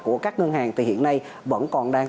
của các ngân hàng thì hiện nay vẫn còn đang